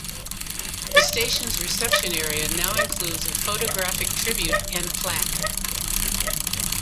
The station's reception area now includes a photographic tribute and plaque.